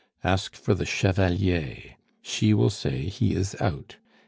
Ask for the Chevalier. She will say he is out.